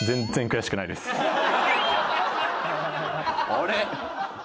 あれ？